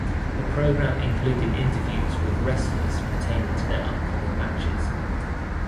The program included interviews with wrestlers pertaining to their upcoming matches.